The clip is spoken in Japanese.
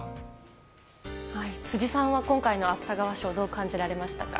辻さんは今回の芥川賞どう感じられましたか？